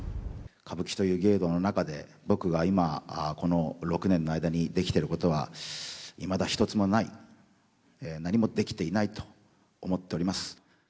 歌舞伎という芸道の中で、僕が今、この６年の間にできていることは、いまだ一つもない、何もできていないと思っております。